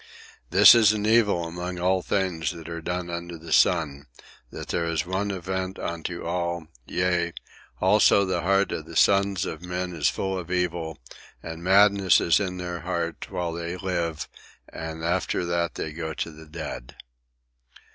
"This is an evil among all things that are done under the sun, that there is one event unto all; yea, also the heart of the sons of men is full of evil, and madness is in their heart while they live, and after that they go to the dead.